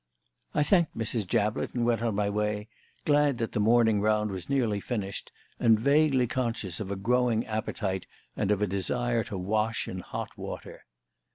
I thanked Mrs. Jablett and went on my way, glad that the morning round was nearly finished, and vaguely conscious of a growing appetite and of a desire to wash in hot water.